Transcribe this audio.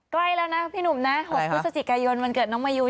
ใกล้แล้วนะนุ่ม